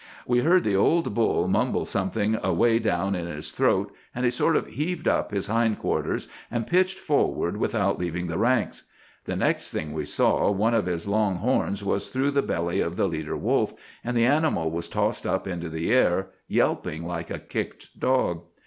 "We heard the old bull mumble something away down in his throat, and he sort of heaved up his hind quarters and pitched forward, without leaving the ranks. The next thing we saw, one of his long horns was through the belly of the leader wolf, and the animal was tossed up into the air, yelping like a kicked dog.